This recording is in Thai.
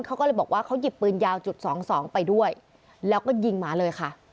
เขาก็เลยบอกว่าเขาหยิบปืนยาวจุดสองสองไปด้วยแล้วก็ยิงหมาเลยค่ะ